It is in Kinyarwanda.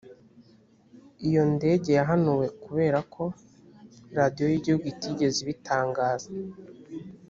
ko iyo ndege yahanuwe kubera ko radiyo y igihugu itigeze ibitangaza